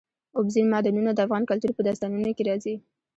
اوبزین معدنونه د افغان کلتور په داستانونو کې راځي.